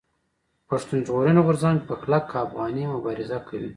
پښتون ژغورني غورځنګ په کلک افغاني مبارزه کوي.